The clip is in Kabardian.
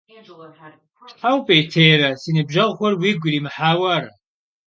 Щхьэ упӀейтейрэ, си ныбжьэгъухэр уигу иримыхьауэ ара?